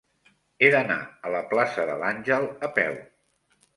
He d'anar a la plaça de l'Àngel a peu.